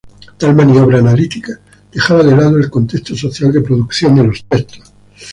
Tal maniobra analítica dejaba de lado el contexto social de producción de los textos.